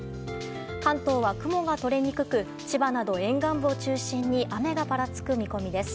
関東は雲が取れにくく千葉など沿岸部を中心に雨がぱらつく見込みです。